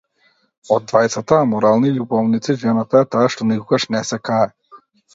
Од двајцата аморални љубовници, жената е таа што никогаш не се кае.